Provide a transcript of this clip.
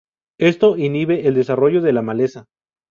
Esto inhibe el desarrollo de la maleza.